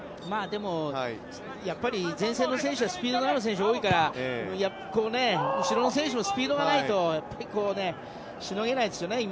まあでも、やっぱり前線の選手はスピードある選手が多いから後ろの選手もスピードがないとしのげないですよね